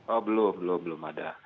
oh belum belum ada